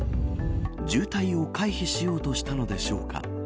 渋滞を回避しようとしたのでしょうか。